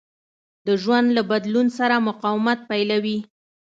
د ژوند له بدلون سره مقاومت پيلوي.